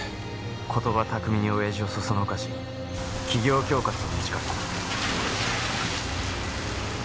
言葉巧みに親父をそそのかし企業恐喝を持ちかけた。